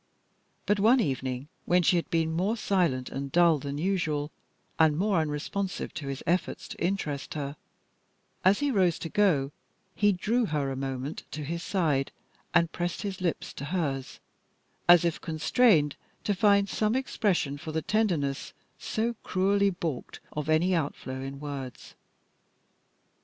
But one evening, when she had been more silent and dull than usual, and more unresponsive to his efforts to interest her, as he rose to go he drew her a moment to his side and pressed his lips to hers, as if constrained to find some expression for the tenderness so cruelly balked of any outflow in words.